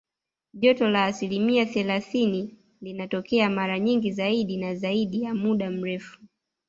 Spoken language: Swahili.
Joto la asilimia thelathini linatokea mara nyingi zaidi na zaidi ya muda mrefu